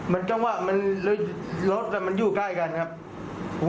มันจำว่ามันรถมันยู่ใกล้กันครับ